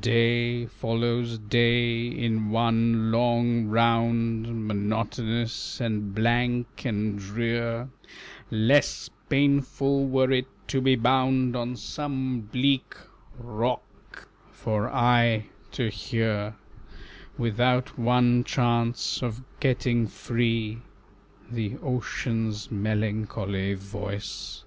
Day follows day in one long round, Monotonous and blank and drear; Less painful were it to be bound On some bleak rock, for aye to hear Without one chance of getting free The ocean's melancholy voice!